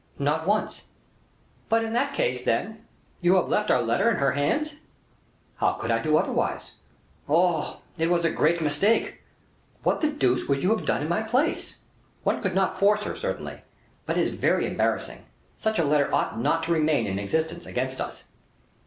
"Not once." "But, in that case, then, you have left our letter in her hands?" "How could I do otherwise?" "Oh! it was a great mistake." "What the deuce would you have done in my place?" "One could not force her, certainly, but it is very embarrassing; such a letter ought not to remain in existence against us."